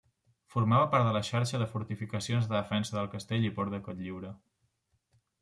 Formava part de la xarxa de fortificacions de defensa del castell i port de Cotlliure.